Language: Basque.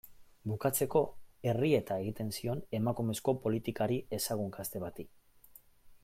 Bukatzeko, errieta egiten zion emakumezko politikari ezagun gazte bati.